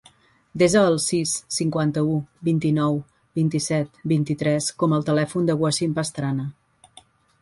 Desa el sis, cinquanta-u, vint-i-nou, vint-i-set, vint-i-tres com a telèfon del Wassim Pastrana.